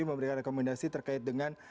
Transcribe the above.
memberikan rekomendasi terkait dengan